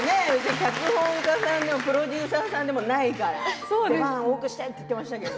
脚本家さんでもプロデューサーさんでもないから出番多くしてと言ってましたけど。